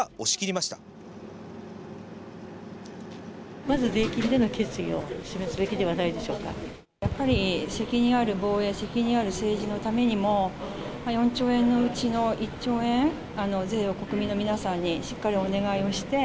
まず税金での決意を示すべきやっぱり、責任ある防衛、責任ある政治のためにも、４兆円のうちの１兆円、税を国民の皆さんにしっかりお願いをして。